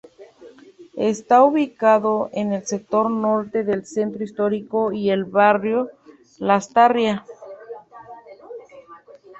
Está ubicado en el sector norte del centro histórico y el Barrio Lastarria.